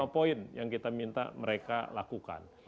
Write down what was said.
lima poin yang kita minta mereka lakukan